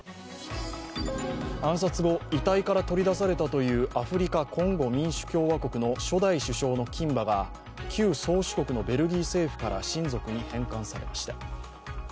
暗殺後、遺体から取り出されたという、アフリカ・コンゴ民主共和国の初代首相の金歯が旧宗主国のベルギーから親族に返還されました。